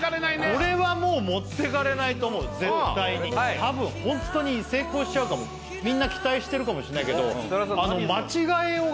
これは持ってかれないね絶対にたぶんホントに成功しちゃうかもみんな期待してるかもしんないけどさあ